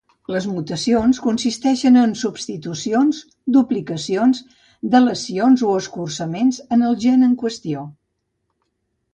Les mutacions consisteixen en substitucions, duplicacions, delecions o escurçaments en el gen en qüestió.